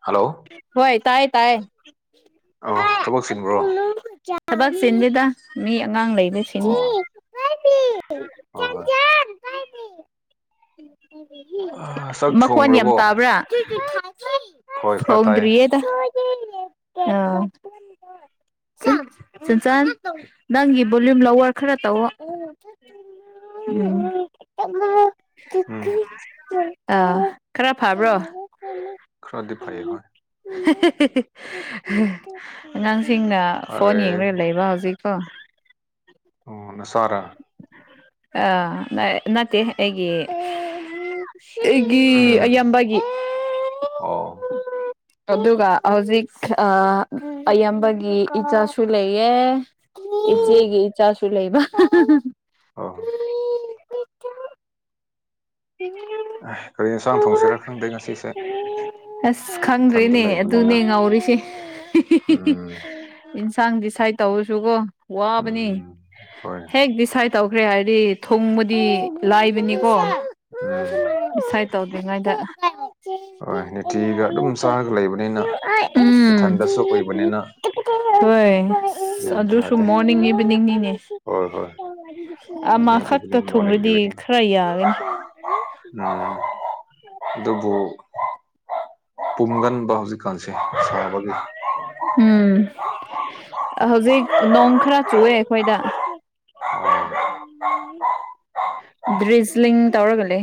hello ꯍꯣꯏ ꯇꯥꯏ ꯇꯥꯏ ꯑ ꯊꯕꯛ ꯆꯤꯟꯕ꯭ꯔꯣ ꯊꯕꯛ ꯆꯤꯟꯗ‌ꯦꯗ ꯃꯤ ꯑꯉꯥꯡ ꯂꯩꯕ ꯁꯤꯅꯤ ꯑꯣ ꯍꯣꯏ ꯑ ꯆꯥꯛ ꯃꯈꯣꯟ ꯌꯥꯝ ꯊꯣꯡꯈ꯭ꯔꯕꯣ ꯇꯥꯕ꯭ꯔꯥ ꯍꯣꯏ ꯈꯔ ꯇꯥꯏꯌꯦ ꯊ‌ꯣꯡꯗ꯭ꯔꯤ ꯌꯦꯗ ꯑ ꯆꯟ ꯆꯟꯆꯥꯟ ꯅꯪꯒꯤ ꯚꯣꯂꯨꯝ ꯂꯋꯔ ꯈꯔ ꯇꯧꯋ‌ꯣ ꯎꯝ ꯎꯝ [unintelligible] ꯑꯥ ꯈꯔ ꯐꯕ꯭ꯔꯣ ꯈꯔꯗꯤ ꯐꯩꯌꯦ ꯍꯣꯏ ꯑꯉꯥꯡꯁꯤꯡꯅ ꯐꯣꯟ ꯐꯔꯦ ꯌꯦꯡꯂꯒ ꯂꯩꯕ ꯍꯧꯖꯤꯛ ꯑꯥ ꯑꯣ ꯅꯆꯥꯔꯥ ꯑ ꯅꯠꯇꯦ ꯑꯩꯒꯤ ꯑꯩꯒꯤ ꯎꯝ ꯑꯌꯥꯝꯕꯒꯤ ꯑꯣ ꯑꯗꯨꯒ ꯍꯧꯖꯤꯛ ꯑ ꯑꯌꯥꯝꯕꯒꯤ ꯏꯆꯥꯁꯨ ꯂꯩꯌꯦ ꯎꯝ ꯏꯆꯦꯒꯤ ꯏꯆꯥꯁꯨ ꯂꯩꯕ ꯑ‌ꯣ [unintelligible] ꯀꯔꯤ ꯏꯟꯁꯥꯡ ꯊꯣꯡꯁꯤꯔꯥ ꯈꯪꯗꯦ ꯉꯁꯤꯁꯦ ꯑꯁ ꯏꯊꯟꯗ ꯈꯪꯗ꯭ꯔꯦꯅꯦ ꯂꯩꯕꯅꯤꯅ ꯑꯗꯨꯅꯦ ꯉꯥꯎꯔꯤꯁꯦ ꯎꯝ ꯏꯟꯁꯥꯡ ꯗꯤꯁꯥꯏꯠ ꯇꯧꯔꯁꯨꯀꯣ ꯋꯥꯕꯅ‌ꯦ ꯎꯝ ꯍꯣꯏ ꯍꯦꯛ ꯗꯤꯁꯥꯏꯠ ꯇꯧꯈ꯭ꯔꯦ ꯍꯥꯏꯔꯗꯤ ꯊ‌ꯣꯡꯕꯗꯤ ꯂꯥꯏꯕꯅꯤꯀꯣ ꯎꯝ ꯗꯤꯁꯥꯏꯇ ꯇꯧꯗ꯭ꯔꯤꯉꯩꯗ ꯍꯣꯏ ꯅꯤꯇꯤꯒꯤ ꯑꯗꯨꯝ ꯆꯥꯔꯒ ꯂꯩꯕꯅꯤꯅ ꯎꯝ ꯏꯊꯟꯗꯁꯨ ꯑꯣꯏꯕꯅꯤꯅ ꯍꯣꯏ ꯒ꯭ꯌꯥꯟ ꯑꯗꯨꯁꯨꯨꯝ ꯇꯥꯗꯦ ꯃꯣꯔꯅꯤꯡ ꯌꯥꯝꯅ ꯏꯚꯤꯅꯤꯡꯅꯤꯅꯦ ꯍꯣꯏ ꯍꯣꯏ ꯑꯃ ꯃꯣꯔꯅꯤꯡ ꯈꯛꯇ ꯏꯚꯤꯅꯤꯡ ꯊꯨꯡꯕꯗꯤ ꯈꯔ ꯌꯥꯒꯅꯤ ꯎ ꯑꯗꯨꯕꯨ ꯄꯨꯝꯒꯟꯕ ꯍꯧꯖꯤꯛꯀꯥꯟꯁꯦ ꯁꯥꯕꯒꯤ ꯎꯝ ꯍꯧꯖꯤꯛ ꯅꯣꯡ ꯈꯔ ꯆꯨꯑꯦ ꯑꯩꯈꯣꯏꯗ ꯑꯥ ꯗ꯭ꯔꯤꯖꯂꯤꯡ ꯇꯧꯔꯒ ꯂꯩ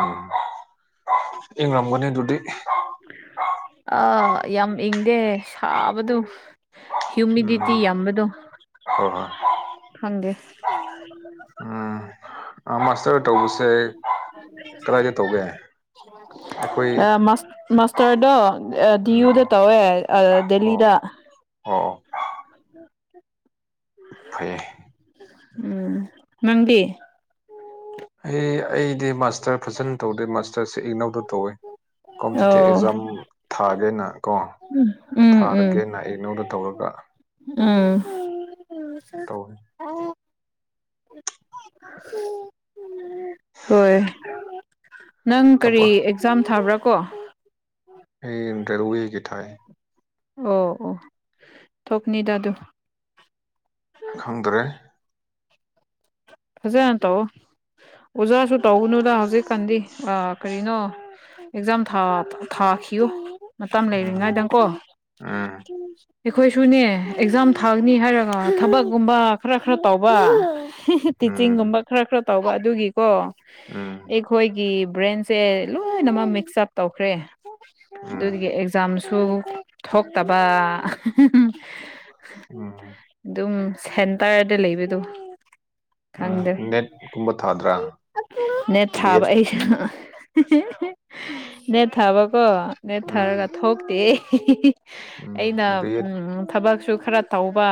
ꯎꯝ ꯏꯪꯉꯝꯒꯅꯤ ꯑꯗꯨꯗꯤ ꯑꯥ ꯌꯥꯝ ꯏꯪꯗꯦ ꯁꯥꯕꯗꯨ ꯍ꯭ꯌꯨꯃꯤꯗꯤꯇꯤ ꯌꯥꯝꯕꯗꯣ ꯍꯣ ꯍꯣ ꯗꯪꯗꯦ ꯑꯥ ꯃꯥꯁꯇꯔ ꯇꯧꯕꯁꯦ ꯀꯗꯥꯏꯗ ꯇꯧꯒꯦ ꯑꯩꯈꯣꯏ ꯃꯁ ꯃꯥꯁꯇꯔꯗꯣ ꯑꯥ ꯎꯝ ꯗꯤꯌꯨꯗ ꯑꯣ ꯇꯧꯋꯦ ꯑꯥ ꯗꯦꯜꯂꯤꯗ ꯑꯣ ꯐꯩꯌꯦ ꯎꯝ ꯅꯪꯗꯤ ꯑꯩ ꯑꯩꯗꯤ ꯃꯥꯁꯇꯔ ꯐꯖꯅ ꯇꯧꯗꯦ ꯃꯥꯁꯇꯔꯁꯦ ꯏꯛꯅꯧꯗ ꯇꯧꯋꯦ ꯀꯣꯝꯄꯤꯇꯦ ꯑꯣ ꯑꯦꯛꯖꯥꯝ ꯊꯥꯒꯦꯅ ꯀꯣ ꯎꯝ ꯎꯝ ꯊꯥꯔꯒꯦꯅ ꯏꯛꯅꯧꯗ ꯇꯧꯔꯒ ꯎꯝ ꯇꯧꯋꯦ ꯍꯣꯏ ꯅꯪ ꯀꯔꯤ ꯊꯕꯛ ꯑꯦꯛꯖꯥꯝ ꯊꯥꯕ꯭ꯔꯥ ꯀꯣ ꯑꯩ ꯔꯦꯜꯋꯦꯒꯤ ꯊꯥꯏ ꯑꯣ ꯑꯣ ꯊꯣꯛꯅꯤꯗ ꯑꯗꯨ ꯈꯪꯗꯔꯦ ꯐꯖꯅ ꯇꯧꯋꯣ ꯑꯣꯖꯥꯁꯨ ꯇꯧꯒꯅꯨꯗ ꯍꯧꯖꯤꯛꯀꯥꯟꯗꯤ ꯑꯥ ꯀꯔꯤꯅꯣ ꯑꯦꯛꯖꯥꯝ ꯊꯥ ꯊꯥꯈꯤꯌꯨ ꯃꯇꯝ ꯎꯝ ꯂꯩꯔꯤꯉꯩꯗꯀꯣ ꯎꯝ ꯑꯩꯈꯣꯏꯁꯨꯅꯦ ꯑꯦꯛꯖꯥꯝ ꯊꯥꯒꯅꯤ ꯍꯥꯏꯔꯒ ꯊꯕꯛꯀꯨꯝꯕ ꯈꯔ ꯈꯔ ꯇꯧꯕ ꯎꯝ ꯇꯤꯆꯤꯡꯒꯨꯝꯕ ꯈꯔ ꯈꯔ ꯇꯧꯕ ꯑꯗꯨꯒꯤꯀꯣ ꯎꯝ ꯑꯩꯈꯣꯏꯒꯤ ꯕ꯭ꯔꯦꯟꯁꯦ ꯂꯣꯏꯅꯃꯛ ꯃꯤꯛꯁ ꯑꯞ ꯇꯧꯈ꯭ꯔꯦ ꯎꯝ ꯗꯨꯗꯒꯤ ꯑꯦꯛꯖꯥꯝ ꯁꯨ ꯊꯣꯛꯇꯕ ꯎꯝ ꯗꯨꯝ ꯁꯦꯟꯇꯔꯗ ꯂꯩꯕꯗꯣ ꯎꯝ ꯈꯪꯗ꯭ꯔꯦ ꯅꯦꯠꯀꯨꯝꯕ ꯊꯥꯗ꯭ꯔꯥ ꯅꯦꯠ ꯕꯤ ꯊꯥꯕ ꯑꯦꯠ ꯑꯩ [unintelligible] [unintelligible] ꯅꯦꯠ ꯊꯥꯕꯀꯣ ꯅꯦꯠ ꯊꯥꯔꯒ ꯎꯝ ꯊꯣꯛꯇꯦ ꯑꯩꯅ ꯎꯝ ꯕꯤ ꯑꯦꯠ ꯎꯝ ꯊꯕꯛꯁꯨ ꯈꯔ ꯇꯧꯕ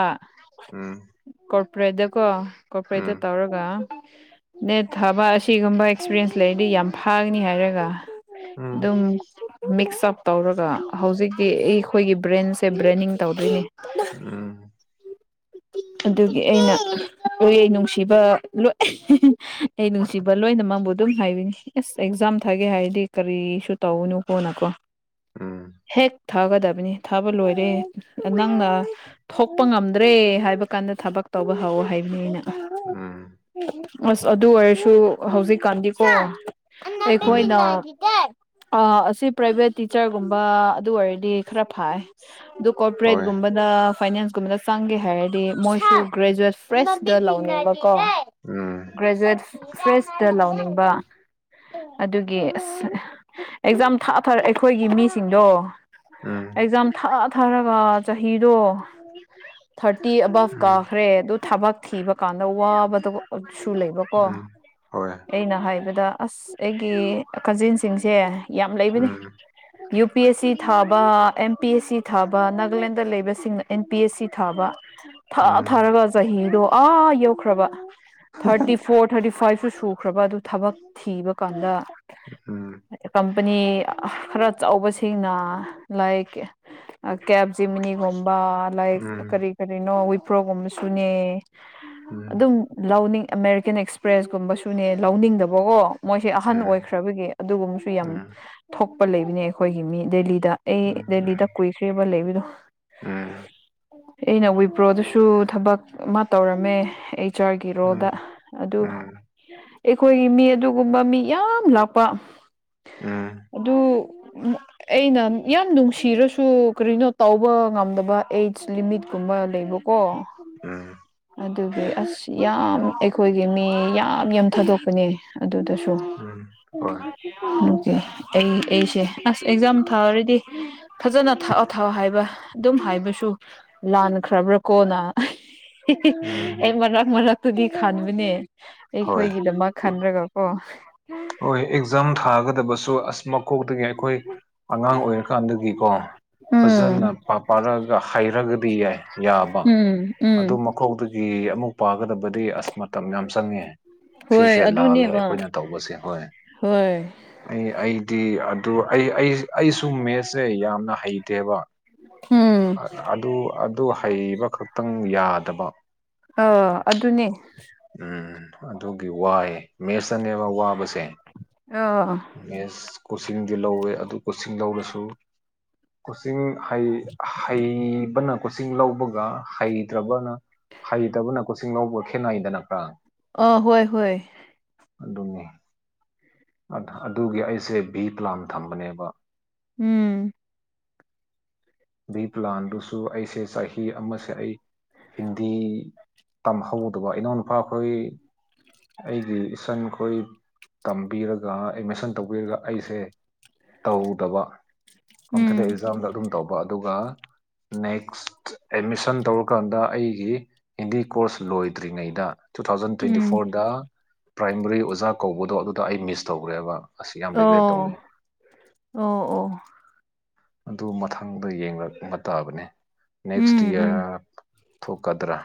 ꯎꯝ ꯀꯣꯔꯄꯔꯦꯠꯇꯀꯣ ꯀꯣꯔꯄꯔꯦꯠꯇ ꯎꯝ ꯇꯧꯔꯒ ꯅꯦꯠ ꯊꯥꯕ ꯑꯁꯤꯒꯨꯝꯕ ꯑꯦꯛꯁꯄꯤꯔꯦꯟꯁ ꯂꯩꯔꯗꯤ ꯌꯥꯝ ꯐꯥꯒꯅꯤ ꯍꯥꯏꯔꯒ ꯑꯗꯨꯝ ꯎꯝ ꯃꯤꯛꯁ ꯑꯞ ꯇꯧꯔꯒ ꯍꯧꯖꯤꯛꯇꯤ ꯑꯩꯈꯣꯏꯒꯤ ꯕ꯭ꯔꯦꯟꯁꯦ ꯕ꯭ꯔꯦꯟꯅꯤꯡ ꯇꯧꯗꯣꯏꯅꯦ ꯎꯝ ꯑꯗꯨꯒꯤ ꯑꯩꯅ ꯎꯌꯦ ꯅꯨꯡꯁꯤꯕ ꯂꯣꯏ ꯑꯩ ꯅꯨꯡꯁꯤꯕ ꯂꯣꯏꯅꯃꯛꯕꯨ ꯑꯗꯨꯝ ꯍꯥꯏꯕꯅꯤ ꯑꯁ ꯑꯦꯛꯖꯥꯝ ꯊꯥꯒꯦ ꯍꯥꯏꯔꯗꯤ ꯀꯔꯤꯁꯨ ꯇꯧꯒꯅꯨꯀꯣꯅ ꯀꯣ ꯎꯝ ꯍꯦꯛ ꯊꯥꯒꯗꯕꯅꯤ ꯊꯥꯕ ꯂꯣꯏꯔꯦ ꯅꯪꯅ ꯊꯣꯛꯄ ꯉꯝꯗ꯭ꯔꯦ ꯍꯥꯏꯕ ꯀꯥꯟꯗ ꯊꯕꯛ ꯇꯧꯕ ꯍꯧ ꯍꯥꯏꯕꯅꯤ ꯑꯩꯅ ꯎꯝ ꯑꯁ ꯑꯗꯨ ꯑꯣꯏꯔꯁꯨ ꯍꯧꯖꯤꯛꯀꯥꯟꯗꯤꯀꯣ ꯑꯩꯀꯣꯏꯅ ꯎꯝ ꯑꯥ ꯑꯁꯤ ꯄ꯭ꯔꯥꯏꯚꯦꯠ ꯇꯤꯆꯔꯒꯨꯝꯕ ꯑꯗꯨ ꯑꯣꯏꯔꯗꯤ ꯈꯔ ꯐꯥꯏ ꯑꯗꯨ ꯍꯣꯏ ꯀꯣꯔꯄꯣꯔꯦꯠꯒꯨꯝꯕꯗ ꯐꯥꯏꯅꯥꯟꯁꯀꯨꯝꯕꯗ ꯆꯪꯒꯦ ꯍꯥꯏꯔꯠ ꯗꯤ ꯃꯣꯏꯁꯨ ꯒ꯭ꯔꯦꯖꯨꯋꯦꯠ ꯐ꯭ꯔꯦꯁꯇꯥ ꯂꯧꯅꯕꯀꯣ ꯎꯝ ꯒ꯭ꯔꯦꯖꯨꯋꯦꯠ ꯐ꯭ꯔꯦꯁ ꯇꯥ ꯂꯧꯅꯤꯡꯕ ꯑꯗꯨꯒꯤ ꯑꯁ ꯑꯦꯛꯖꯥꯝ ꯊꯥ ꯊꯥꯔ ꯑꯩꯈꯣꯏꯒꯤ ꯃꯤꯁꯤꯡꯗꯣ ꯎꯝ ꯑꯦꯛꯖꯥꯝ ꯊꯥ ꯊꯥꯔꯒꯥ ꯆꯍꯤꯗꯣ ꯇꯤ ꯑꯕꯥꯞ ꯎꯝ ꯀꯥꯈ꯭ꯔꯦ ꯑꯗꯨ ꯊꯕꯛ ꯊꯤꯕ ꯀꯥꯟꯗ ꯋꯥꯕꯗ ꯁꯨ ꯂꯩꯕ ꯎꯝ ꯍꯣꯏ ꯑꯩꯅ ꯍꯥꯏꯕꯗ ꯑꯁ ꯑꯩꯒꯤ ꯀꯥꯖꯤꯟꯁꯤꯡꯁꯦ ꯌꯥꯝ ꯂꯩꯕꯅꯤ ꯎꯝ ꯌꯨ ꯄꯤ ꯑꯦꯁ ꯁꯤ ꯊꯥꯕ ꯑꯦꯝ ꯄꯤ ꯑꯦꯁ ꯁꯤ ꯊꯥꯕ Nagaland ꯂꯩꯕꯁꯤꯡꯅ N P S C ꯊꯥꯕ ꯊꯥ ꯎꯝ ꯎꯝ ꯊꯥꯔꯒ ꯆꯍꯤꯗꯣ ꯑꯥ ꯌꯧꯈ꯭ꯔꯥꯕ ꯊꯥꯔꯇꯤ ꯐꯣꯔ ꯊꯥꯔꯇꯤ ꯐꯥꯏꯞꯁꯨ ꯁꯨꯈ꯭ꯔꯥꯕ ꯑꯗꯨ ꯊꯕꯛ ꯊꯤꯕ ꯀꯥꯟꯗ ꯎꯝ ꯎꯝ ꯀꯝꯄꯅꯤ ꯈꯔ ꯆꯧꯕꯁꯤꯡꯅ ꯂꯥꯏꯛ ꯑꯥ ꯀꯦꯞ ꯖꯤꯃꯤꯅꯤ ꯒꯨꯝꯕ ꯂꯥꯏꯛ ꯎꯝ ꯎꯝ ꯀꯔꯤ ꯀꯔꯤꯅꯣ ꯋꯤꯄ꯭ꯔꯣꯒꯨꯝꯕꯁꯨꯅꯦ ꯎꯝ ꯎꯝ ꯎꯝ ꯑꯗꯨꯝ ꯂꯧꯅꯤꯡ ꯑꯃꯦꯔꯤꯀꯦꯟ ꯑꯦꯛꯁꯄ꯭ꯔꯦꯁꯀꯨꯝꯕꯁꯨꯅꯦ ꯂꯧꯅꯤꯡꯗꯕꯒꯣ ꯃꯣꯏꯁꯦ ꯎꯝ ꯎꯝ ꯑꯍꯟ ꯑꯣꯏꯈ꯭ꯔꯥꯕꯒꯤ ꯑꯗꯨꯒꯨꯝꯕꯁꯨ ꯌꯥꯝ ꯊꯣꯛꯄ ꯂꯩꯕꯅꯦ ꯑꯩꯈꯣꯏꯒꯤ ꯃꯤ ꯗꯦꯂꯤꯗꯥ ꯑꯩ ꯗꯦꯜꯂꯤꯗꯥ ꯀꯨꯏꯈ꯭ꯔꯦꯕ ꯂꯩꯕꯗꯣ ꯎꯝ ꯑꯩꯅ ꯋꯤꯄ꯭ꯔꯣꯗꯨꯁꯨ ꯊꯕꯛ ꯑꯃ ꯇꯧꯔꯝꯃꯦ ꯑꯩꯆ ꯑꯥꯔꯒꯤ ꯔꯣꯜꯗ ꯑꯗꯨ ꯎꯝ ꯑꯩꯈꯣꯏꯒꯤ ꯃꯤ ꯑꯗꯨꯒꯨꯝꯕ ꯃꯤ ꯌꯥꯝ ꯂꯥꯛꯄ ꯎꯝ ꯑꯗꯨ ꯎꯝ ꯑꯩꯅ ꯌꯥꯝ ꯅꯨꯡꯁꯤꯔꯥꯁꯨ ꯀꯔꯤꯅꯣ ꯇꯧꯕ ꯉꯝꯗꯕ ꯑꯦꯖ ꯂꯤꯃꯤꯠ ꯀꯨꯝꯕ ꯂꯩꯕ ꯀꯣ ꯎꯝ ꯑꯗꯨꯒꯤ ꯑꯁ ꯌꯥꯝ ꯑꯩꯈꯣꯏꯒꯤ ꯃꯤ ꯌꯥꯝ ꯌꯝ ꯊꯥꯗꯣꯛꯄꯅꯦ ꯑꯗꯨꯗꯁꯨ ꯎꯝ ꯍꯣꯏ [unintelligible] ꯑꯩ ꯑꯩꯁꯦ ꯑꯁ ꯑꯦꯛꯖꯥꯝ ꯊꯥꯔꯗꯤ ꯐꯖꯅ ꯊꯥꯛꯑꯣ ꯊꯥꯎꯑꯣ ꯍꯥꯏꯕ ꯑꯗꯨꯝ ꯍꯥꯏꯕꯁꯨ ꯂꯥꯟꯈ꯭ꯔꯕ꯭ꯔꯥ ꯀꯣꯅ ꯎꯝ ꯑꯩ ꯃꯔꯛ ꯃꯔꯛꯇꯥꯗꯤ ꯈꯥꯟꯕꯅꯦ ꯍꯣꯏ ꯑꯩꯈꯣꯏꯒꯤꯗꯃꯛ ꯈꯟꯗ꯭ꯔꯥꯒꯀꯣ ꯍꯣꯏ ꯑꯦꯛꯖꯥꯝ ꯊꯥꯒꯗꯕꯁꯨ ꯑꯁ ꯃꯀꯣꯛꯇꯥꯒꯤ ꯑꯩꯈꯣꯏ ꯑꯉꯥꯡ ꯑꯣꯏꯔꯀꯥꯟꯗꯒꯤꯀꯣ ꯎꯝ ꯐꯖꯅ ꯄꯥ ꯄꯥꯔꯛꯑꯒ ꯍꯩꯔꯒꯥꯗꯤ ꯌꯥꯏ ꯌꯥꯕ ꯎꯝ ꯎꯝ ꯀꯣꯛꯇꯥꯒꯤ ꯑꯃꯨꯛ ꯄꯥꯒꯗꯕꯗꯤ ꯑꯁ ꯃꯇꯝ ꯌꯥꯝ ꯆꯪꯉꯦ ꯍꯣꯏ ꯁꯤꯁꯦ ꯂꯥꯜꯂꯦ ꯑꯗꯨꯅꯦꯕ ꯑꯩꯈꯣꯏꯅ ꯇꯧꯕꯁꯦ ꯍꯣꯏ ꯍꯣꯏ ꯑꯩ ꯑꯩꯗꯤ ꯑꯗꯨ ꯑꯩ ꯑꯩ ꯑꯩꯁꯨ ꯃꯦꯁ ꯖꯦ ꯌꯥꯝꯅ ꯍꯩꯇꯦꯕ ꯎꯝ ꯑꯥ ꯑꯗꯨ ꯑꯗꯨ ꯍꯩꯕ ꯈꯛꯇꯪ ꯌꯥꯗꯕ ꯑꯣ ꯑꯗꯨꯅꯦ ꯎꯝ ꯑꯗꯨꯒꯤ ꯋꯥꯏ ꯃꯦꯁꯇꯥꯅꯦꯕ ꯋꯥꯕꯁꯦ ꯑꯣ ꯃꯦꯁ ꯀꯣꯁꯤꯡꯗꯤ ꯂꯧꯋꯦ ꯑꯗꯨ ꯀꯣꯁꯤꯡ ꯂꯧꯔꯁꯨ ꯀꯣꯆꯤꯡ ꯍꯩ ꯍꯩꯕꯅ ꯀꯣꯆꯤꯡ ꯂꯧꯕꯒ ꯍꯩꯇ꯭ꯔꯕꯅ ꯍꯩꯇꯕꯅ ꯀꯣꯆꯤꯡ ꯂꯧꯕꯒ ꯈꯦꯠꯅꯩꯗꯅꯈꯔꯥ ꯑꯥ ꯍꯣꯏ ꯍꯣꯏ ꯑꯗꯨꯅꯤ ꯑꯗꯨ ꯑꯗꯨꯒꯤ ꯑꯩꯁꯦ ꯕꯤ ꯄ꯭ꯂꯥꯟ ꯊꯝꯕꯅꯦꯕ ꯎꯝ ꯕꯤ ꯄ꯭ꯂꯥꯟꯗꯨꯁꯨ ꯑꯩꯁꯦ ꯆꯍꯤ ꯑꯃꯁꯦ ꯑꯩ ꯍꯤꯟꯗꯤ ꯇꯝꯍꯧꯗꯕ ꯏꯅꯥꯎꯅꯨꯄꯥ ꯑꯈꯣꯏ ꯑꯩꯗꯤ ꯏꯆꯟꯈꯣꯏ ꯇꯝꯕꯤꯔꯒ ꯑꯦꯠꯃꯤꯁꯟ ꯇꯧꯕꯤꯔꯒ ꯑꯩꯁꯦ ꯇꯧꯗꯕ ꯀꯝꯊꯗ ꯎꯝ ꯑꯦꯛꯖꯥꯝꯗ ꯑꯗꯨꯝ ꯇꯧꯕ ꯑꯗꯨꯒ ꯅꯦꯛꯁ ꯑꯦꯗꯃꯤꯁꯟ ꯇꯧꯔꯀꯥꯟꯗ ꯑꯩꯒꯤ ꯍꯤꯟꯗꯤ ꯀꯣꯔꯁ ꯂꯣꯏꯗ꯭ꯔꯤꯉꯩꯗ ꯇꯨ ꯊꯥꯎꯖꯟ ꯇ꯭ꯋꯦꯟꯇꯤ ꯎꯝ ꯐꯣꯔꯗ ꯄ꯭ꯔꯥꯏꯃꯔꯤ ꯑꯣꯖꯥ ꯀꯧꯕꯗꯣ ꯑꯗꯨꯗ ꯑꯩ ꯃꯤꯁ ꯇꯧꯈ꯭ꯔꯦꯕ ꯑꯁ ꯌꯥꯝ ꯔꯤꯒ꯭ꯔꯦꯠ ꯑꯣ ꯇꯧꯋꯦ ꯑꯣ ꯑꯣ ꯑꯗꯨ ꯃꯊꯪꯗ ꯌꯦꯡꯂꯛꯕ ꯇꯥꯕꯅꯦ ꯅꯦꯛꯁ ꯎꯝ ꯏꯌꯥꯔ ꯎꯝ ꯊꯣꯛꯀꯗ꯭ꯔꯥ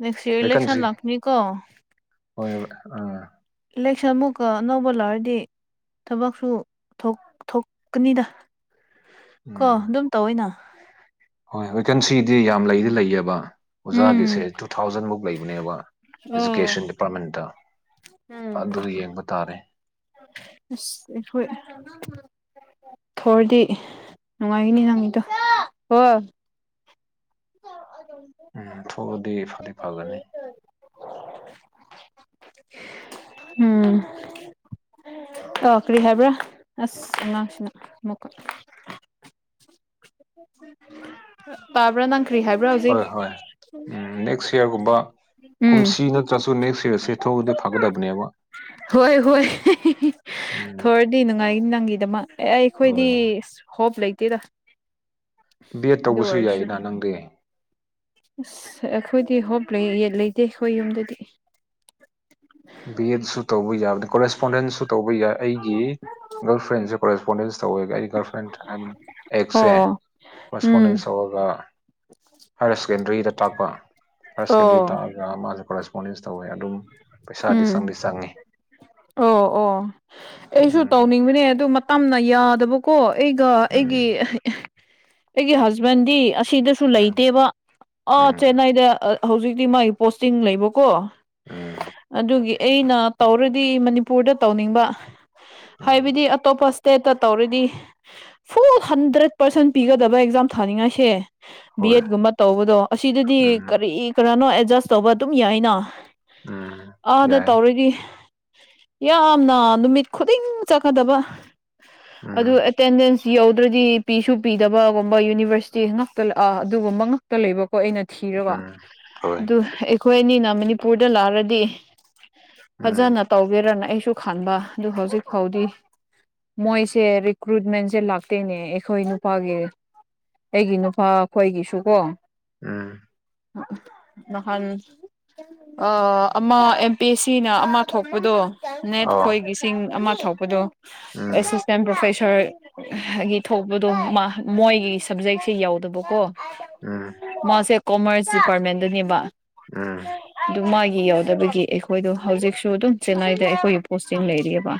ꯅꯦꯛꯁ ꯏꯌꯥꯔ ꯂꯦꯛꯁꯟ ꯚꯦꯀꯟꯁꯤ ꯂꯛꯃꯤ ꯀꯣ ꯍꯣꯏ ꯑꯥ ꯏꯂꯦꯛꯁꯟ ꯑꯃꯨꯛꯀ ꯑꯅꯧꯕꯥꯂꯥꯛꯑꯗꯤ ꯊꯕꯛꯁꯨ ꯊꯣꯛꯀꯅꯤꯗ ꯀꯣ ꯎꯝ ꯑꯗꯨꯝ ꯇꯧꯏꯅ ꯍꯣꯏ ꯋꯦꯀꯦꯟꯁꯤꯗꯤ ꯌꯥꯝ ꯂꯩꯗꯤ ꯂꯩꯌꯦꯕ ꯎꯝ ꯑꯣꯖꯥꯒꯤꯁꯦ ꯇꯨ ꯊꯥꯎꯖꯟ ꯃꯨꯛ ꯂꯩꯕꯅꯦꯕ ꯑꯣ ꯑꯦꯖꯨꯀꯦꯁꯟ ꯗꯤꯄꯥꯔꯠꯃꯦꯟꯇ ꯎꯝ ꯑꯗꯨ ꯌꯦꯡꯕ ꯇꯥꯔꯦ ꯑꯁ ꯍꯣꯏ ꯊꯣꯑꯗꯤ ꯅꯨꯡꯉꯥꯏꯒꯅꯤ ꯅꯪꯒꯤꯗꯣ ꯍꯣꯏ ꯎꯝ ꯊꯣꯛꯑꯗꯤ ꯐꯗꯤ ꯐꯒꯅꯤ ꯎꯝ ꯑ ꯀꯔꯤ ꯍꯥꯏꯕ꯭ꯔꯥ ꯑꯁ ꯑꯉꯥꯡꯁꯤꯅ ꯑꯃꯨꯛꯀ ꯇꯥꯕ꯭ꯔꯥ ꯅꯪ ꯀꯔꯤ ꯍꯥꯏ ꯍꯣꯏ ꯍꯣꯏ ꯎꯝ ꯅꯦꯛꯁ ꯏꯔꯒꯨꯝꯕ ꯎꯝ ꯀꯨꯝꯁꯤ ꯅꯠꯇ꯭ꯔꯁꯨ ꯅꯦꯛꯁ ꯏꯔꯁꯦ ꯊꯣꯛꯑꯗꯤ ꯐꯒꯗꯕꯅꯦꯕ ꯍꯣꯏ ꯍꯣꯏ ꯎꯝ ꯊꯣꯑꯗꯤ ꯅꯨꯡꯉꯥꯏꯅꯤ ꯅꯪꯒꯤꯗꯨꯃ ꯑꯩꯈꯣꯏꯗꯤ ꯍꯣꯏ ꯍꯣꯞ ꯂꯩꯇꯦꯗ ꯕꯤ ꯑꯦꯗ ꯇꯧꯕꯁꯨ ꯑꯗꯨꯑꯣꯏꯔꯁꯨ ꯌꯥꯏꯅ ꯅꯪꯗꯤ ꯑꯁ ꯑꯩꯈꯣꯏꯗꯤ ꯍꯣꯞ ꯂꯩꯇꯦ ꯑꯩꯈꯣꯏ ꯌꯨꯝꯗꯗꯤ ꯕꯤꯑꯦꯠꯁꯨ ꯇꯧꯕ ꯌꯥꯕꯅꯤ ꯀꯣꯔꯦꯁꯄꯣꯟꯗꯦꯟꯁꯨ ꯇꯧꯕ ꯌꯥꯏ ꯑꯩꯒꯤ ꯒꯔꯜ ꯐ꯭ꯔꯦꯟꯁꯨ ꯀꯣꯔꯦꯁꯄꯣꯟꯗꯦꯟꯁ ꯇꯧꯋꯦ ꯑꯩ ꯒꯜ ꯐ꯭ꯔꯦꯟ ꯍꯥꯏꯕꯅꯦ ꯑꯦꯛꯁꯦ ꯑꯣ ꯎꯝ ꯀꯣꯔꯁꯄꯣꯅꯦꯟꯁ ꯇꯧꯋꯦꯕ ꯍꯥꯌꯌꯔ ꯁꯦꯀꯦꯟꯗꯔꯤꯗ ꯇꯥꯛꯄ ꯍꯥꯏꯔ ꯑꯣ ꯁꯦꯀꯦꯟꯗꯔꯤ ꯇꯥꯛꯑꯒ ꯃꯥꯁꯨ ꯀꯣꯔꯔꯦꯁꯄꯣꯟꯗꯦꯟꯁ ꯇꯧꯋꯦ ꯑꯗꯨꯝ ꯄꯩꯁꯥꯗꯤ ꯎꯝ ꯆꯪꯗꯤ ꯆꯪꯉꯤ ꯑꯣ ꯑꯣ ꯑꯩꯁꯨ ꯎꯝ ꯇꯧꯅꯤꯡꯕꯅꯦ ꯑꯗꯨ ꯃꯇꯝꯅ ꯌꯥꯗꯕ ꯀꯣ ꯑꯩꯒ ꯑꯩꯒꯤ ꯎꯝ ꯑꯩꯒꯤ ꯍꯁꯕꯦꯟꯗꯤ ꯑꯁꯤꯗ ꯁꯨ ꯎꯝ ꯂꯩꯇꯦꯕ ꯑꯥ ꯎꯝ ꯆꯦꯟꯅꯥꯏꯗ ꯍꯧꯖꯤꯛꯇꯤ ꯃꯥꯒꯤ ꯄꯣꯁꯇꯤꯡ ꯂꯩꯕꯀꯣ ꯎꯝ ꯑꯗꯨꯒꯤ ꯑꯩꯅ ꯇꯧꯔꯗꯤ ꯃꯅꯤꯄꯨꯔꯗ ꯇꯧꯅꯤꯡꯕ ꯎꯝ ꯍꯥꯏꯕꯗꯤ ꯑꯇꯣꯞꯄ ꯏꯁꯇꯦꯠꯇ ꯇꯧꯔꯗꯤ ꯐꯨꯜ ꯍꯟꯗ꯭ꯔꯦꯠ ꯄꯥꯔꯁꯦꯟ ꯄꯤꯒꯗꯕ ꯑꯦꯛꯖꯥꯝ ꯊꯥꯅꯤꯡꯉꯥꯏꯁꯦ ꯕꯤ ꯍꯣꯏ ꯌꯦꯠꯀꯨꯝꯕ ꯇꯧꯕꯗꯣ ꯑꯁꯤꯗꯗꯤ ꯎꯝ ꯀꯔꯤ ꯀꯔꯥꯅꯣ ꯑꯦꯠꯖꯁ ꯇꯧꯕ ꯗꯨꯝ ꯌꯥꯏꯅ ꯎꯝ ꯑꯥꯗ ꯌꯥꯏ ꯇꯧꯔꯗꯤ ꯌꯥꯝꯅ ꯅꯨꯃꯤꯠ ꯈꯨꯗꯤꯡ ꯆꯠꯀꯗꯕ ꯑꯗꯨ ꯎꯝ ꯑꯦꯇꯦꯟꯗꯦꯟꯁ ꯌꯧꯗ꯭ꯔꯗꯤ ꯄꯤꯁꯨ ꯄꯤꯗꯕꯒꯨꯝꯕ ꯌꯨꯅꯤꯕꯔꯁꯤꯇꯤ ꯉꯥꯛꯇ ꯑꯥ ꯑꯗꯨꯒꯨꯝꯕ ꯉꯥꯛꯇ ꯂꯩꯕ ꯑꯩꯅ ꯊꯤꯔꯒ ꯎꯝ ꯍꯣꯏ ꯑꯗꯨ ꯑꯩꯈꯣꯏ ꯑꯅꯤꯅ ꯃꯅꯤꯄꯨꯔꯗ ꯂꯥꯛꯔꯗꯤ ꯎꯝ ꯐꯖꯅ ꯇꯧꯒꯦꯔꯅ ꯑꯩꯁꯨ ꯈꯟꯕ ꯑꯗꯨ ꯍꯧꯖꯤꯛ ꯐꯥꯎꯗꯤ ꯃꯣꯏꯁꯦ ꯔꯤꯀ꯭ꯔꯨꯏꯠꯃꯦꯟꯖꯦ ꯂꯥꯛꯇꯦꯅꯦ ꯑꯩꯈꯣꯏ ꯅꯨꯄꯥꯒꯤ ꯑꯩꯒꯤ ꯅꯨꯄꯥ ꯈꯣꯏꯒꯤꯁꯨ ꯀꯣ ꯎꯝ ꯅꯥꯍꯟ ꯑꯥ ꯑꯃ ꯑꯦꯝ ꯄꯤ ꯑꯦ ꯁꯤꯅ ꯑꯃ ꯊꯣꯛꯄꯗꯣ ꯅꯦꯠ ꯑꯣ ꯈꯣꯏꯒꯤ ꯇꯤꯡ ꯑꯃ ꯊꯣꯛꯄꯗꯣ ꯎꯝ ꯑꯦꯁꯤꯁꯇꯦꯟ ꯄ꯭ꯔꯣꯐꯦꯁꯔ ꯒꯤ ꯊꯣꯛꯄꯗꯣ ꯃ ꯃꯣꯏꯒꯤ ꯁꯕꯖꯦꯛꯁꯦ ꯌꯥꯎꯗꯕꯀꯣ ꯎꯝ ꯃꯥꯁꯦ ꯀꯣꯃꯔꯁ ꯗꯤꯄꯥꯔꯠꯃꯦꯟꯗꯅꯦꯕ ꯎꯝ ꯑꯗꯨ ꯃꯥꯒꯤ ꯌꯥꯎꯗꯕꯒꯤ ꯑꯩꯈꯣꯏꯗꯣ ꯍꯧꯖꯤꯛꯁꯨ ꯑꯗꯨꯝ ꯆꯦꯟꯅꯥꯏꯗ ꯑꯩꯈꯣꯏꯒꯤ ꯄꯣꯁꯇꯤꯡ ꯂꯩꯔꯤꯌꯦꯕ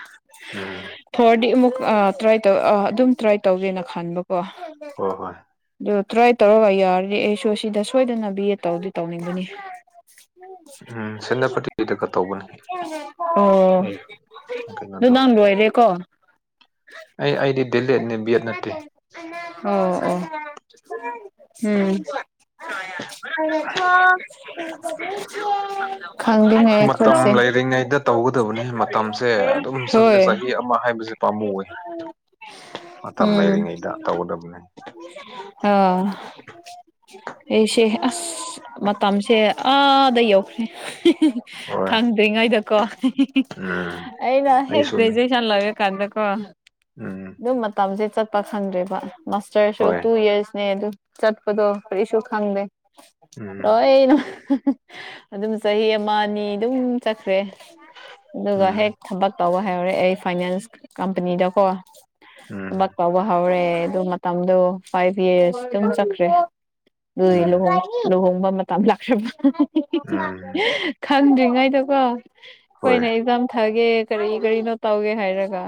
ꯎꯝ ꯐꯔꯗꯤ ꯑꯃꯨꯛ ꯑꯥ ꯇ꯭ꯔꯥꯏ ꯇꯧ ꯑꯥ ꯑꯗꯨꯝ ꯇ꯭ꯔꯥꯏ ꯇꯧꯒꯦꯅ ꯈꯟꯕꯀꯣ ꯍꯣꯏ ꯍꯣꯏ ꯑꯗꯨ ꯇ꯭ꯔꯥꯏ ꯇꯧꯔꯒ ꯌꯥꯔꯗꯤ ꯑꯩꯁꯨ ꯁꯤꯗ ꯁꯣꯏꯗꯅ ꯕꯤ ꯌꯦꯠ ꯇꯧꯗꯤ ꯇꯧꯅꯤꯡꯕꯅꯤ ꯎꯝ ꯁꯦꯅꯄꯇꯤꯗꯒ ꯇꯧꯕꯅꯤ ꯑꯣ ꯑꯩ ꯑꯗꯨ ꯀꯩꯅꯣꯗꯣ ꯅꯪ ꯂꯣꯏꯔꯦ ꯀꯣ ꯑꯩ ꯑꯩꯗꯤ ꯗꯤꯂꯦꯠꯅꯦ ꯕꯦꯠ ꯅꯠꯇꯦ ꯑꯣ ꯑꯣ ꯎꯝ [unintelligible] ꯃꯇꯝ ꯑꯩꯈꯣꯏꯁꯦ ꯂꯩꯔꯤꯉꯩꯗ ꯇꯧꯒꯗꯕꯅꯤ ꯃꯇꯝꯁꯦ ꯑꯗꯨꯝ ꯆꯠꯂꯦ ꯆꯍꯤ ꯑꯃ ꯍꯥꯏꯕꯁꯦ ꯄꯥꯝꯃꯨꯋꯦ ꯎꯝ ꯃꯇꯝ ꯎꯝ ꯂꯩꯔꯤꯉꯩꯗ ꯇꯧꯒꯗꯕꯅꯤ ꯑꯣ ꯑꯩꯁꯦ ꯑꯁ ꯃꯇꯝꯁꯦ ꯑꯥꯗ ꯌꯧꯈ꯭ꯔꯦ ꯍꯣꯏ ꯈꯪꯗ꯭ꯔꯤꯉꯩꯗꯀꯣ ꯎꯝ ꯑꯩꯅ ꯍꯦꯛ ꯑꯩꯁꯨꯅꯤ ꯒ꯭ꯔꯦꯖꯨꯋꯦꯠ ꯁꯟ ꯂꯣꯏꯔꯀꯥꯟꯗꯀꯣ ꯎꯝ ꯑꯗꯨꯝ ꯃꯇꯝꯁꯦ ꯆꯠꯄ ꯈꯪꯗ꯭ꯔꯦꯕ ꯃꯥꯁꯇꯔꯁꯨ ꯍꯣꯏ ꯇꯨ ꯌꯔꯁꯅꯦ ꯑꯗꯨ ꯆꯠꯄꯗꯣ ꯀꯔꯤꯁꯨ ꯈꯪꯗꯦ ꯎꯝ ꯂꯣꯏꯅ ꯑꯗꯨꯝ ꯆꯍꯤ ꯑꯃ ꯑꯅꯤ ꯑꯗꯨꯝ ꯆꯠꯈ꯭ꯔꯦ ꯑꯗꯨꯒ ꯍꯦꯛ ꯎꯝ ꯊꯕꯛ ꯇꯧꯕ ꯍꯥꯏꯍꯧꯔꯦ ꯑꯩ ꯐꯥꯏꯅꯥꯟꯁ ꯀꯝꯄꯅꯤꯗꯀꯣ ꯎꯝ ꯊꯕꯛ ꯇꯧꯕ ꯍꯧꯔꯦ ꯑꯗꯨ ꯃꯇꯝꯗꯣ ꯐꯥꯏꯚ ꯏꯌꯥꯔꯁ ꯑꯗꯨꯝ ꯆꯠꯈ꯭ꯔꯦ ꯑꯗꯨꯏ ꯎꯝ ꯂꯨꯍꯣꯡ ꯂꯨꯍꯣꯡꯕ ꯃꯇꯝ ꯂꯥꯛꯈ꯭ꯔꯦꯕ ꯎꯝ ꯈꯪꯗ꯭ꯔꯤꯉꯩꯗꯀꯣ ꯍꯣꯏ ꯈꯣꯏꯅ ꯑꯦꯛꯖꯥꯝ ꯊꯒꯦ ꯀꯔꯤ ꯀꯔꯤꯅꯣ ꯇꯧꯒꯦ ꯍꯥꯏꯔꯒ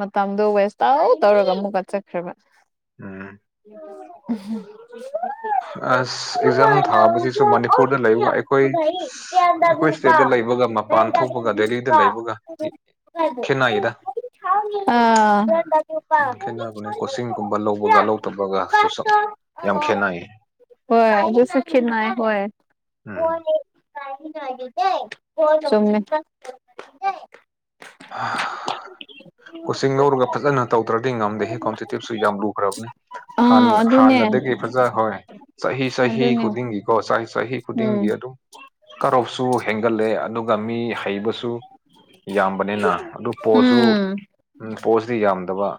ꯃꯇꯝꯗꯣ ꯋꯦ ꯇꯧ ꯇꯧꯔꯒ ꯑꯃꯨꯛꯀ ꯆꯠꯈ꯭ꯔꯦꯕ ꯎꯝ [unintelligible] [unintelligible] [unintelligible] ꯑꯁ ꯑꯦꯛꯖꯥꯝ ꯊꯥꯕꯁꯤꯁꯨ ꯃꯅꯤꯄꯨꯔꯗ ꯂꯩꯕꯒ ꯑꯩꯈꯣꯏ ꯑꯩꯈꯣꯏ ꯏꯁꯇꯦꯠꯇ ꯂꯩꯕꯒ ꯃꯄꯥꯟ ꯊꯣꯛꯄꯒ ꯗꯦꯜꯂꯤꯗ ꯂꯩꯕꯒ ꯈꯦꯠꯅꯩꯗ [unintelligible] ꯑꯥ ꯎꯝ ꯈꯦꯠꯅꯕꯅꯦ ꯀꯣꯆꯤꯡꯒꯨꯝꯕ ꯂꯧꯕꯒ ꯂꯧꯗꯕꯒꯁꯨꯁꯛ ꯌꯥꯝ ꯈꯦꯠꯅꯩꯌꯦ ꯍꯣꯏ ꯑꯗꯨꯁꯨ ꯈꯦꯠꯅꯩ ꯍꯣꯏ ꯎꯝ [unintelligible] ꯆꯨꯝꯃꯦ ꯀꯣꯆꯤꯡ ꯂꯧꯔꯒ ꯐꯖꯅ ꯇꯧꯗ꯭ꯔꯗꯤ ꯉꯝꯗꯦꯍꯦ ꯀꯝꯄꯤꯇꯤꯇꯤꯞꯁꯨ ꯌꯥꯝ ꯂꯨꯈ꯭ꯔꯕꯅꯦ ꯍꯥꯟ ꯑꯥ ꯑꯗꯨꯅꯦ ꯍꯥꯟꯅꯗꯒꯤ ꯐꯖ ꯍꯧꯋꯦ ꯆꯍꯤ ꯆꯍꯤ ꯑꯗꯨꯅꯦ ꯈꯨꯗꯤꯡꯒꯤ ꯀꯣ ꯆꯍꯤ ꯆꯍꯤ ꯎꯝ ꯈꯨꯗꯤꯡꯒꯤ ꯑꯗꯨꯝ ꯀꯠꯑꯣꯞꯁꯨ ꯍꯦꯟꯒꯠꯂꯦ ꯑꯗꯨꯒ ꯃꯤ ꯍꯩꯕꯁꯨ ꯌꯥꯝꯕꯅꯤꯅ ꯑꯗꯨ ꯄꯣꯠꯁꯨ ꯎꯝ ꯎꯝ ꯄꯣꯁꯇꯤ ꯌꯥꯝꯗꯕ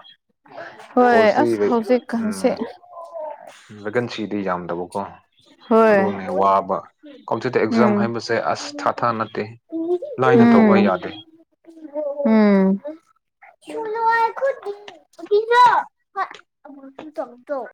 ꯍꯣꯏ ꯄꯣꯁꯇꯤ ꯑꯁ ꯕꯦ ꯍꯧꯖꯤꯛꯀꯥꯟꯁꯦ ꯎꯝ [unintelligible] ꯚꯦꯀꯦꯟꯁꯤꯗꯤ ꯌꯥꯝꯗꯕꯀꯣ ꯍꯣꯏ ꯑꯗꯣꯅꯦ ꯋꯥꯕ ꯀꯣꯝꯇꯤꯇꯤꯞ ꯑꯦꯛꯖꯥꯝ ꯎꯝ ꯍꯥꯏꯕꯁꯦ ꯑꯁ ꯊꯥꯊꯥ ꯅꯠꯇꯦ ꯂꯥꯏꯅ ꯎꯝ ꯇꯧꯕ ꯌꯥꯗꯦ ꯎꯝ ꯈꯨꯂꯣꯌꯥ ꯈꯨꯠꯗꯤ [unintelligible] ꯍꯠ ꯑꯃꯨꯛꯖꯨ ꯇꯧ ꯇꯧ